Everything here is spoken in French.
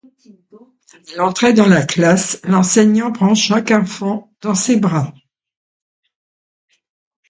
À l'entrée dans la classe, l'enseignant prend chaque enfant dans ses bras.